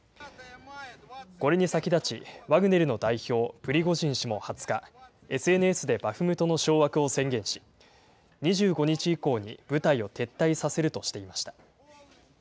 これに先立ち、ワグネルの代表、プリゴジン氏も２０日、ＳＮＳでバフムトの掌握を宣言し、２５日以降に部隊を撤退させるとしていました。